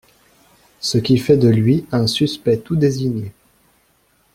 Ce qui fait de lui un suspect tout désigné.